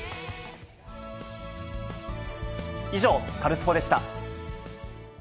以上、カルスポっ！でした。